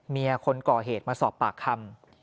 คนก่อเหตุมาสอบปากคำ